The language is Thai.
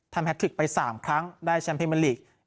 ทำแฮทฟลิกไปสามครั้งได้แชมป์เพมอร์ลีก